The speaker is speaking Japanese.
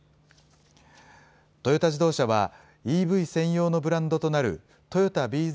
トヨタ自動車はＥＶ専用のブランドとなるＴＯＹＯＴＡｂＺ